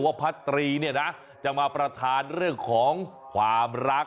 ว่าพระตรีนะจะมาประทานเรื่องของความรัก